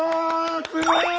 すごい！